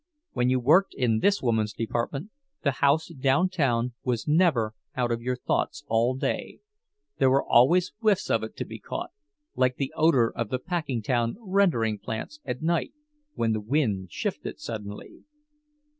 When you worked in this woman's department the house downtown was never out of your thoughts all day—there were always whiffs of it to be caught, like the odor of the Packingtown rendering plants at night, when the wind shifted suddenly.